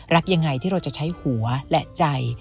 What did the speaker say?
รักยังไงที่เราจะใช้หัวและใจ